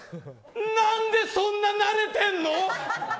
何でそんな慣れてんの？